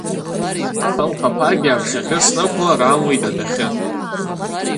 Хымхаԥагьа аԥшаӷьы, снықәлар амуит адәахьы.